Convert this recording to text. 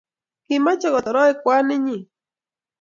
kimache kotoroch kwanit nyi